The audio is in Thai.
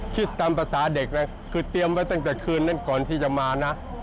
คิดตามภาษาเด็กเลยคือเตรียมไว้ตั้งแต่คืนนั้นก่อนที่จะมานะ